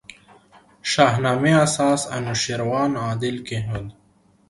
شاهنامې اساس انوشېروان عادل کښېښود.